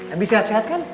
abie sehat sehat kan